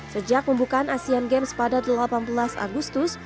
sejak pembukaan asian games pada delapan belas agustus